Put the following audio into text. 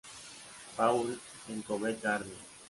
Paul, en Covent Garden.